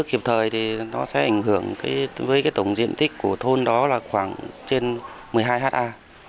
sửa chứa kịp thời thì nó sẽ ảnh hưởng với tổng diện tích của thôn đó là khoảng trên một mươi hai ha